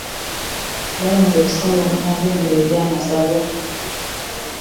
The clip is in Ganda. Balonze ebisaawe omunaazannyirwa egy'Amasaza.